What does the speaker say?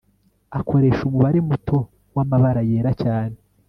akoresha umubare muto wamabara yera cyane